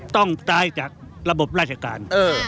ต้องตายจากระบบราชการ